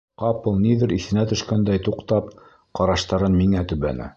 Ҡапыл ниҙер иҫенә төшкәндәй туҡтап, ҡараштарын миңә төбәне.